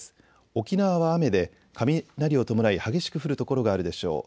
沖縄は雨で雷を伴い激しく降る所があるでしょう。